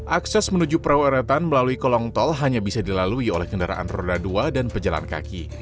akses menuju perahu eretan melalui kolong tol hanya bisa dilalui oleh kendaraan roda dua dan pejalan kaki